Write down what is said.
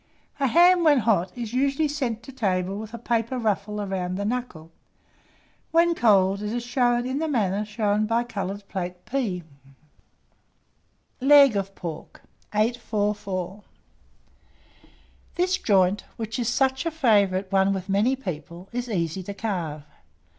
A ham, when hot, is usually sent to table with a paper ruffle round the knuckle; when cold, it is served in the manner shown by coloured plate P. LEG OF PORK. [Illustration: LEG OF PORK.] 844. This joint, which is such a favourite one with many people, is easy to carve.